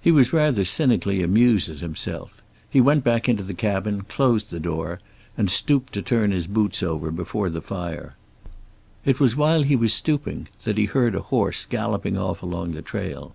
He was rather cynically amused at himself. He went back into the cabin, closed the door, and stooped to turn his boots over before the fire. It was while he was stooping that he heard a horse galloping off along the trail.